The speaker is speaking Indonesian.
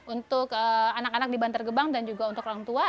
untuk anak anak di bantar gebang dan juga untuk orang tua